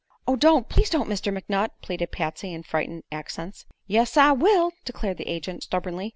"Oh, don't! Please don't, Mr. McNutt!" pleaded Patsy, in frightened accents. "Yes, I will," declared the agent, stubbornly.